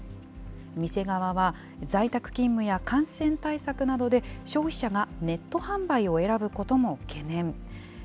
店側は、在宅勤務や感染対策などで、消費者がネット販売を選ぶことも懸念。